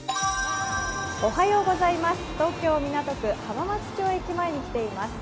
東京・港区、浜松町駅前に来ています。